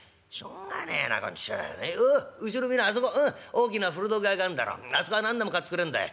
大きな古道具屋があんだろあそこは何でも買っつくれんだい。